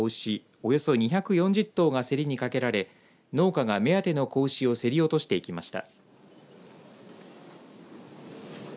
およそ２４０頭が競りにかけられ農家が目当ての子牛を競り落としていきました。